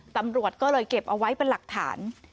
ตำรวจก็เลยเก็บเอาไว้เป็นหลักฐาน